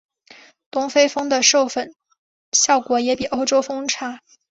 东非蜂的授粉效果也比欧洲蜂差。